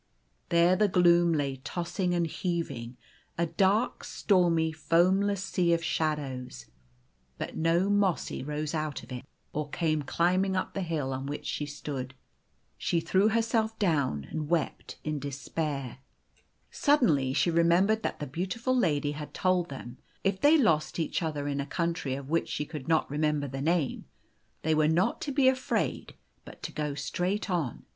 There the gloom lay tossing and heaving, a dark, stormy, foaui less sea of shadows, but no Mossy rose out of it, or came climbing up the hill on which she stood. She threw herself down and wept in despair. Suddenly she remembered that the beautiful lady had told them, if they lost each other in a country of which she could not remember the name, they were not to be afraid, but to go straight on.